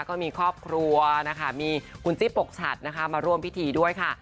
ก็มีครอบครัวนะคะมีคุณจิ๊บปกฉัดนะคะมาร่วมพิธีด้วยค่ะ